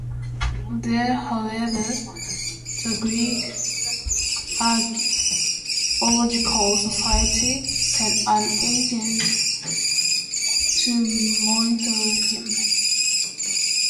There, however, the Greek Archaeological Society sent an agent to monitor him.